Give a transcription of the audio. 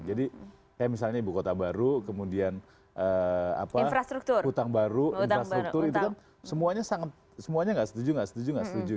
jadi kayak misalnya ibu kota baru kemudian hutang baru infrastruktur itu kan semuanya gak setuju